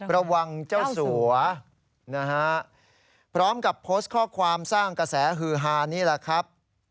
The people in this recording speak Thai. ระวังเจ้าสัวนะฮะพร้อมกับโพสต์ข้อความสร้างกระแสฮือฮานี่แหละครับ